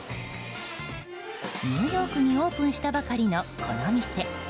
ニューヨークにオープンしたばかりのこの店。